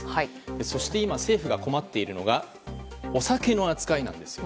そして今、政府が困っているのがお酒の扱いなんですよ。